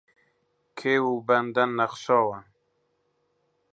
کێو و بەندەن نەخشاوە